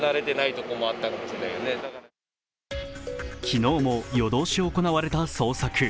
昨日も夜通し行われた捜索。